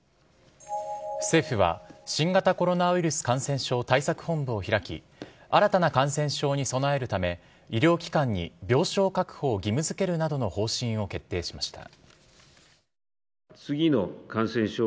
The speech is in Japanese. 政府は、新型コロナウイルス感染症対策本部を開き新たな感染症に備えるため医療機関に病床確保を義務付けるなどの方針を決定しました。